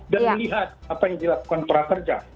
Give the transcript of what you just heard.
dan lihat apa yang dilakukan prakerja